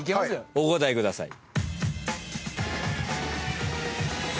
お答えください。